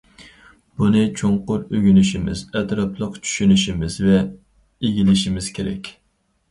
بۇنى چوڭقۇر ئۆگىنىشىمىز، ئەتراپلىق چۈشىنىشىمىز ۋە ئىگىلىشىمىز كېرەك.